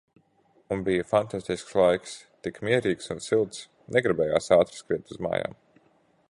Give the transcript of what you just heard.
Un bija fantastisks laiks, tik mierīgs un silts. Negribējās ātri skriet uz mājām.